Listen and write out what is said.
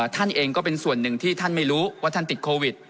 ท่านเองก็เป็นส่วนหนึ่งที่ท่านไม่รู้ว่าท่านติดโควิด